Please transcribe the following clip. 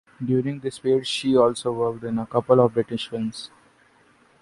During this period, she also worked in a couple of British films.